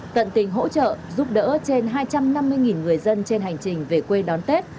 tận tình hỗ trợ giúp đỡ trên hai trăm năm mươi người dân trên hành trình về quê đón tết